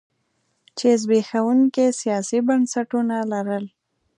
چې زبېښونکي سیاسي بنسټونه لرل.